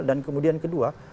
dan kemudian kedua